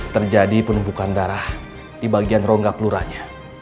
terjadi penumpukan darah di bagian rongga peluranya